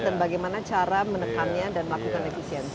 dan bagaimana cara menekannya dan melakukan efisiensi